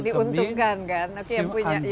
show kambing diuntungkan kan